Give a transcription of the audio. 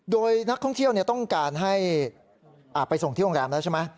โดยนักท่องเที่ยวต้องการให้ไปส่งที่โรงแรมแล้วใช่ไหม